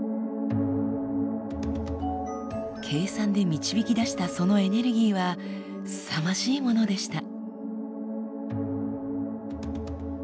計算で導き出したそのエネルギーはすさまじいものでした。